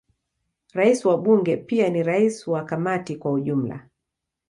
Rais wa Bunge pia ni rais wa Kamati kwa ujumla.